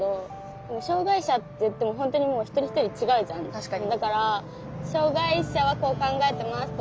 確かに。